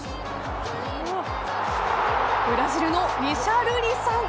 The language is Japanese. ブラジルのリシャルリソン。